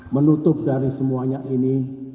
menutup dari semuanya ini